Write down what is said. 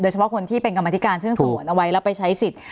เฉพาะคนที่เป็นกรรมธิการซึ่งสงวนเอาไว้แล้วไปใช้สิทธิ์